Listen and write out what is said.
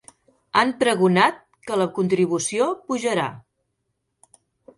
Han pregonat que la contribució pujarà.